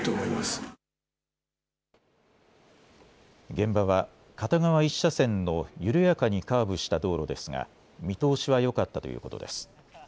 現場は片側１車線の緩やかにカーブした道路ですが見通しはよかったということです。